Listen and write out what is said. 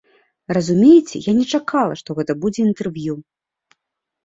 Разумееце, я не чакала, што гэта будзе інтэрв'ю.